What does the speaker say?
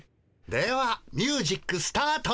ではミュージックスタート！